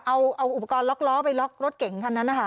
เอาอุปกรณ์ล็อกล้อไปล็อกรถเก่งคันนั้นนะคะ